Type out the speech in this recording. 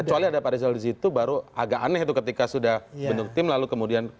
kecuali ada pak rizal di situ baru agak aneh itu ketika sudah bentuk tim lalu kemudian